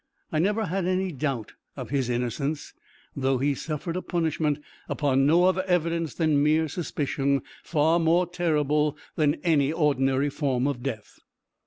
I never had any doubt of his innocence, though he suffered a punishment, upon no other evidence than mere suspicion, far more terrible than any ordinary form of death.